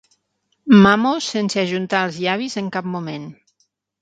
Mamo sense ajuntar els llavis en cap moment.